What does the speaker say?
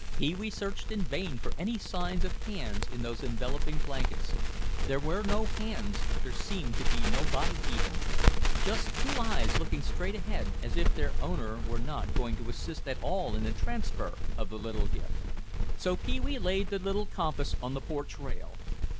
Pee wee searched in vain for any sign of hands in those enveloping blankets. There were no hands, there seemed to be no body even; just two eyes looking straight ahead as if their owner were not going to assist at all in the transfer of the little gift. So Pee wee laid the compass on the porch rail.